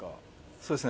そうですね